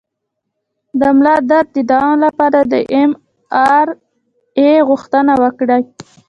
د ملا درد د دوام لپاره د ایم آر آی غوښتنه وکړئ